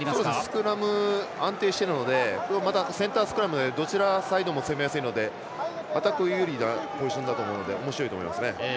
スクラム安定しているのでまたセンタースクラムどちらサイドも攻めやすいのでアタック有利なポジションだと思うのでおもしろいと思いますね。